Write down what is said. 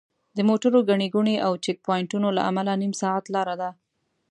د موټرو ګڼې ګوڼې او چیک پواینټونو له امله نیم ساعت لاره ده.